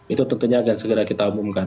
itu tentunya akan segera kita umumkan